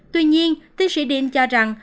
tuy nhiên tiến sĩ tidin cho rằng